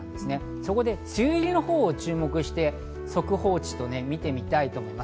そこで梅雨入りのほうを注目して速報値と見てみたいと思います。